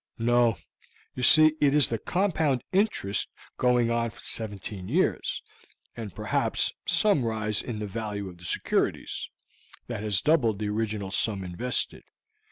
"No, you see it is the compound interest going on for seventeen years, and perhaps some rise in the value of the securities, that has doubled the original sum invested.